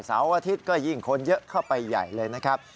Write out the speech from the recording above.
อาทิตย์ก็ยิ่งคนเยอะเข้าไปใหญ่เลยนะครับ